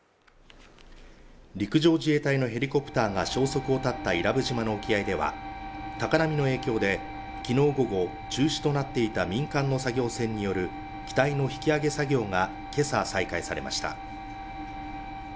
陸上自衛隊のヘリコプターが消息を絶った伊良部島の沖合では、高波の影響で、きのう午後中止となっていた民間の作業船による機体の引き揚げ作業が今朝再開されました。